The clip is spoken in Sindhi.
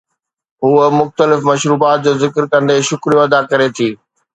هوءَ مختلف مشروبات جو ذڪر ڪندي شڪريو ادا ڪري ٿي